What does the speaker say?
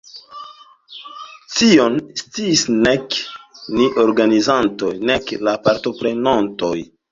Tion sciis nek ni organizantoj, nek la partoprenontoj.